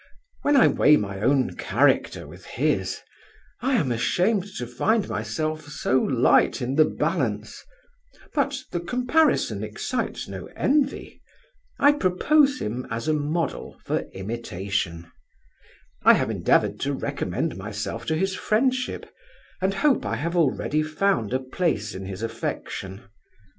When I weigh my own character with his, I am ashamed to find myself so light in the balance; but the comparison excites no envy I propose him as a model for imitation I have endeavoured to recommend myself to his friendship, and hope I have already found a place in his affection.